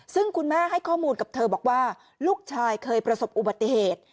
ซึ่งคุณแม่ให้ข้อมูลกับเธอบอกว่าลูกชายเคยประสบอุบัติเหตุ